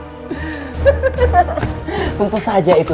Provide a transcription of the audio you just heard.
karena telah menyelamatkan keratuan segoro kiduh